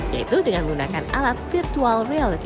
yaitu dengan menggunakan alat virtual reality